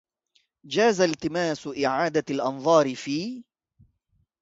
جاز التماس إعادة الأنظار في